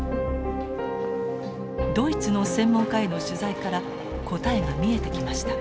ドイツの専門家への取材から答えが見えてきました。